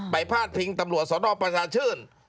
พาดพิงตำรวจสนประชาชื่น